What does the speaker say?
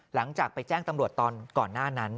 หลังจากไปแจ้งตำรวจตอนก่อนหน้านั้น